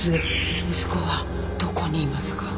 息子はどこにいますか？